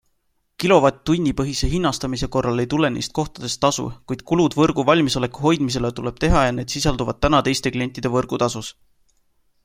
Kilovatt-tunni põhise hinnastamise korral ei tule neist kohtadest tasu, kuid kulud võrgu valmisoleku hoidmisele tuleb teha ja need sisalduvad täna teiste klientide võrgutasus.